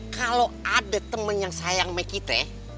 kalo ada temen yang sayang sama kita